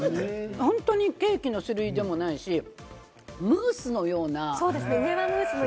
ケーキの種類でもないし、ムースのような。